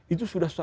itu sudah satu tiga